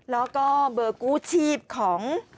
แล้วก็เบอร์กู้ชีพของ